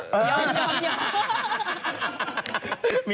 โปรครับ